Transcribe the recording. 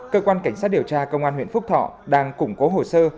cơ quan cảnh sát điều tra công an huyện phúc thọ đang củng cố hồ sơ